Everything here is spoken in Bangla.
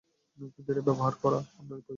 কিন্তু এটা ব্যবহার করা, আপনার প্রয়োজন।